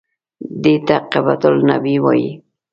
دې ته قبة النبي وایي.